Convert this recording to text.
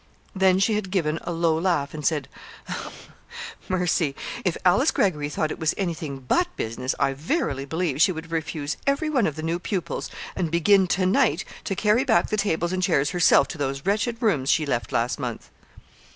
Then she had given a low laugh and said: "Mercy! If Alice Greggory thought it was anything but business, I verily believe she would refuse every one of the new pupils, and begin to night to carry back the tables and chairs herself to those wretched rooms she left last month!"